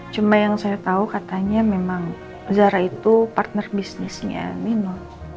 cuma yang saya tahu katanya memang zara itu partner bisnisnya nino